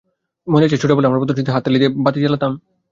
মনে আছে, ছোটবেলায় আমরা প্রদর্শনীতে হাততালি দিয়ে বাতি জ্বালাতাম?